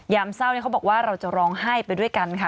เศร้าเขาบอกว่าเราจะร้องไห้ไปด้วยกันค่ะ